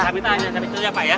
iya sampe situ aja pak ya